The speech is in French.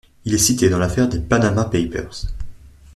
Il est cité dans l'affaire des Panama Papers.